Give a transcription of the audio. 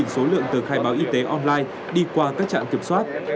sáu trăm bốn mươi số lượng tờ khai báo y tế online đi qua các trạng kiểm soát